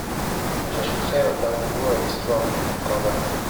J’ajouterai un dernier mot à l’histoire du Concordat.